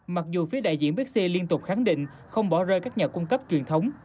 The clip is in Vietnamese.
mặc dù phía đại diện bixi liên tục khẳng định không bỏ rơi các nhà cung cấp truyền thống